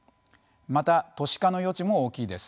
また都市化の余地も大きいです。